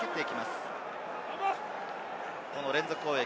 連続攻撃。